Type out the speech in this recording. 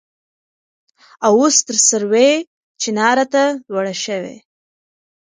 او اوس تر سروې چينار ته لوړه شوې.